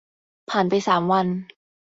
ผ่านไปสามวัน